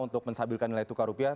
untuk menstabilkan nilai tukar rupiah